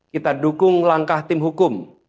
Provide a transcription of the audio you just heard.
kita dukung langkah tim hukum